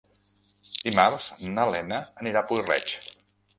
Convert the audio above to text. Dimarts na Lena anirà a Puig-reig.